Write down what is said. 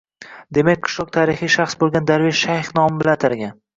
Demak, qishloq tarixiy shaxs bo‘lgan Darvesh shayx nomi bilan atalgan.